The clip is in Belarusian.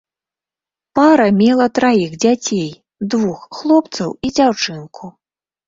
Пара мела траіх дзяцей, двух хлопцаў і дзяўчынку.